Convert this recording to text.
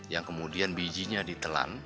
yang kemudian bijinya ditelan